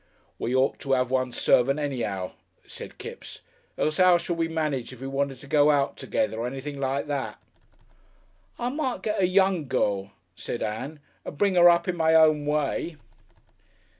"We ought to 'ave one servant anyhow," said Kipps, "else 'ow should we manage if we wanted to go out together or anything like that?" "I might get a young girl," said Ann, "and bring 'er up in my own way."